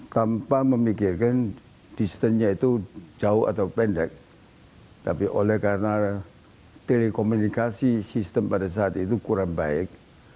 tanpa memikirkan distance nya itu jauh atau pendek tapi oleh karena telekomunikasi sistem pada saat itu kurang baik